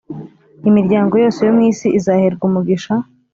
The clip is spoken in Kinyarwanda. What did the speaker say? Imiryango yose yo mu isi izaherwa umugisha